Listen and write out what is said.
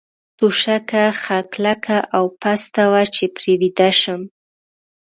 توشکه ښه کلکه او پسته وه، چې پرې ویده شم.